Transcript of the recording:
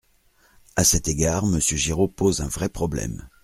À cet égard, Monsieur Giraud pose un vrai problème.